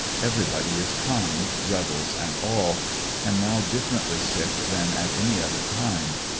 Everybody is kind, rebels and all. Am now differently sick than at any other time.